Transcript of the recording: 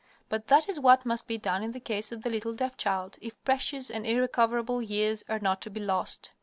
But that is what must be done in the case of the little deaf child, if precious and irrecoverable years are not to be lost.